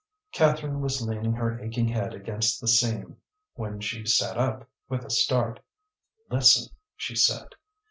Catherine was leaning her aching head against the seam, when she sat up with a start. "Listen!" she said.